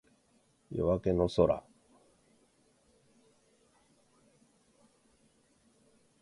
夜明けの空